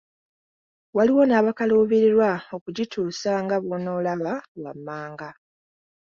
Waliwo n’abakaluubirirwa okugituusa nga bw’onoolaba wammanga.